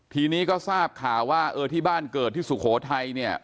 ทีนี้ก็ทราบข่าวว่าเออที่บ้านเกิดที่สุโขทัยเนี่ย